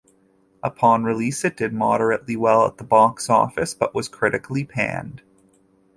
Upon release it did moderately well at the box office but was critically panned.